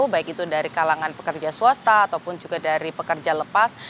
baik itu dari kalangan pekerja swasta ataupun juga dari pekerja lepas